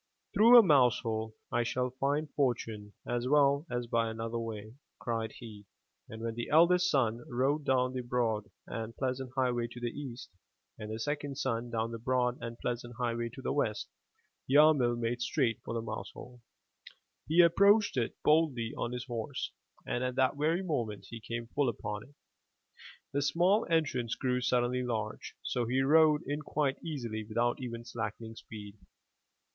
'Through a mousehole I shall find fortune, as well as by another way,*' cried he, and when the eldest son rode down the broad and pleasant highway to the East, and the second son down the broad and pleasant highway to the West, Yarmil made straight for the mousehole. He approached it boldly on his horse and at the very moment he came full upon it, the small entrance grew suddenly large, so he rode in quite easily without even slackening speed.